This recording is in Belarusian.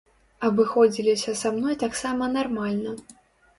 Абыходзіліся са мной таксама нармальна.